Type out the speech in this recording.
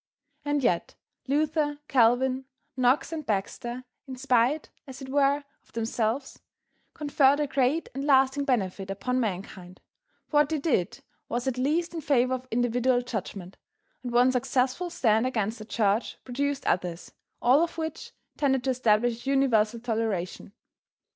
And yet Luther, Calvin, Knox and Baxter, in spite, as it were, of themselves, conferred a great and lasting benefit upon mankind; for what they did was at least in favor of individual judgment, and one successful stand against the church produced others, all of which tended to establish universal toleration.